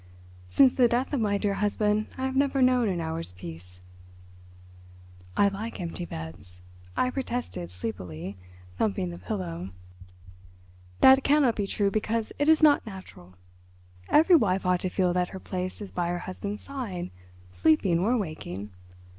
Since the death of my dear husband I have never known an hour's peace." "I like empty beds," I protested sleepily, thumping the pillow. "That cannot be true because it is not natural. Every wife ought to feel that her place is by her husband's side—sleeping or waking.